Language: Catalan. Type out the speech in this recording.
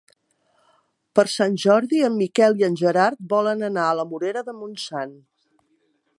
Per Sant Jordi en Miquel i en Gerard volen anar a la Morera de Montsant.